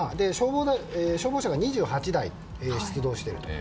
消防車が２８台出動していると。